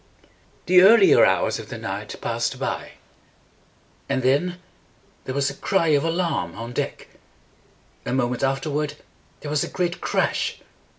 The ear li er hours of the night passed by; and then there was a cry of alarm on deck. A moment after ward there was a great crash.